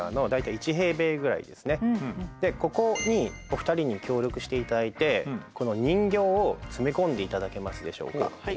でここにお二人に協力していただいてこの人形を詰め込んでいただけますでしょうか。